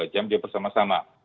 dua puluh dua jam dia bersama sama